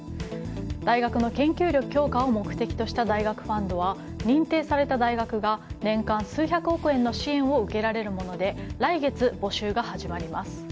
大学の研究力強化を目的とした大学ファンドは認定された大学が年間数百億円の支援を受けられるもので来月、募集が始まります。